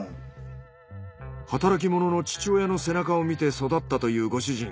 働き者の父親の背中を見て育ったというご主人。